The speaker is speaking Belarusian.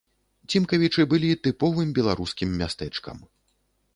Цімкавічы былі тыповым беларускім мястэчкам.